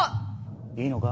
いいのか？